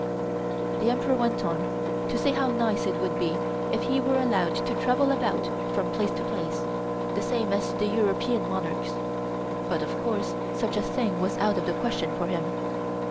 The Emperor went on to say how nice it would be if he were allowed to travel about from place to place the same as the European monarchs, but of course such a thing was out of the question for him.